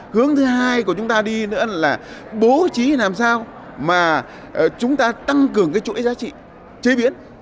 hướng thứ hai của chúng ta đi nữa là bố trí làm sao mà chúng ta tăng cường cái chuỗi giá trị chế biến